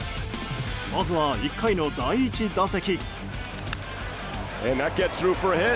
まずは１回の第１打席。